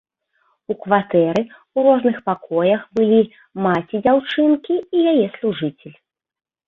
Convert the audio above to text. У кватэры ў розных пакоях былі маці дзяўчынкі і яе сужыцель.